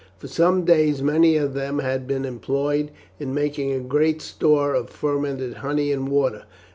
For some days many of them had been employed in making a great store of fermented honey and water.